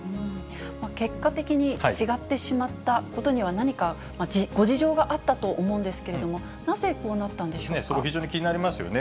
結果的に違ってしまったことには何か、ご事情があったと思うんですけれども、なぜこうなったんでしょうそれ、非常に気になりますよね。